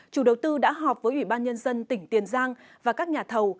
chủ đầu tư đã họp với ủy ban nhân dân tỉnh tiền giang và các nhà thầu